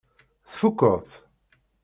Tfukkeḍ-tt?